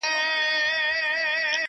ورځه خپله مزدوري دي ترې جلا كه،